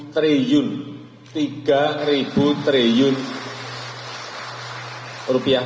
tiga triliun rupiah